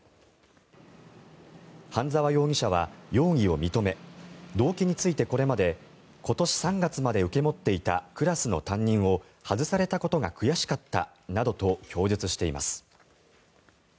半澤容疑者は容疑を認め動機についてこれまで今年３月まで受け持っていたクラスの担任を外されたことが悔しかったなどと供述しています。